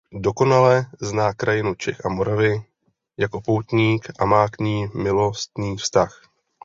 Dokonale zná krajinu Čech a Moravy jako poutník a má k ní milostný vztah.